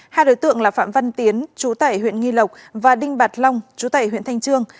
hai đối tượng là phạm văn tiến chú tải huyện nghi lộc và đinh bạc long chú tải huyện thanh trương